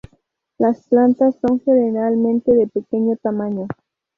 Las plantas son generalmente de pequeño tamaño.